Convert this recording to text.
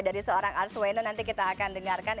dari seorang arswendo nanti kita akan dengarkan